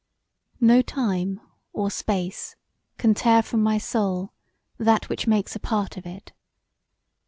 No time or space can tear from my soul that which makes a part of it.